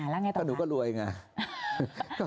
แล้วไงต่อถ้าหนูก็รวยไง